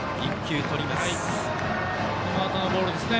このあとのボールですね。